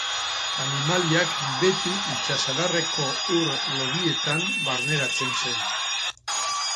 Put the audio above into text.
Animaliak beti itsasadarreko ur lodietan barneratzen zen.